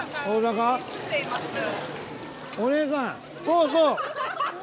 そうそう！